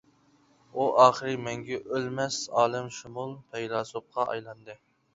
ئۇ ئاخىرى مەڭگۈ ئۆلمەس ئالەمشۇمۇل پەيلاسوپقا ئايلاندى.